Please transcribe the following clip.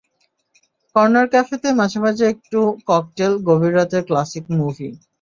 Corner ক্যাফেতে মাঝে মাঝে একটু ককটেল, গভীর রাতের ক্লাসিক মুভি।